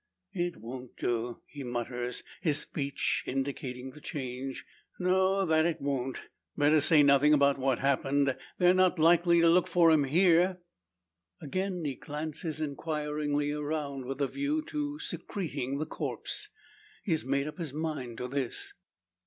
"It won't do," he mutters, his speech indicating the change. "No, that it won't! Better say nothing about what's happened. They're not likely to look for him here..." Again he glances inquiringly around, with a view to secreting the corpse. He has made up his mind to this.